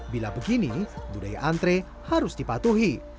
bila begini budaya antre harus dipatuhi